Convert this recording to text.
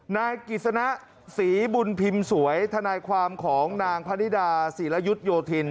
นายกิจสนะศรีบุญพิมพ์สวยทนายความของนางพนิดาศิรยุทธโยธิน